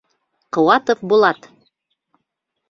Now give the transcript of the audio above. Ҡыуатов Булат!